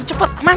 aduh cepet man